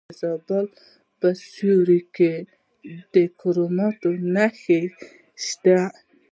د زابل په سیوري کې د کرومایټ نښې شته.